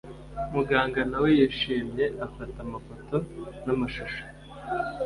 muganga nawe yishimye afata amafoto namashusho